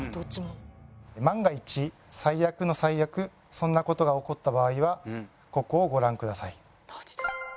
万が一最悪の最悪そんな事が起こった場合はここをご覧ください。